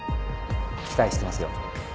期待してますよ。